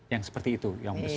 yang seperti itu yang besar